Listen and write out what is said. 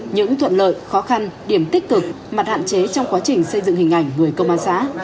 những thuận lợi khó khăn điểm tích cực mặt hạn chế trong quá trình xây dựng hình ảnh người công an xã